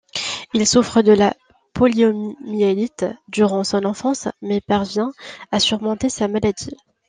Il souffre de la poliomyélite durant son enfance, mais parvient à surmonter sa maladie.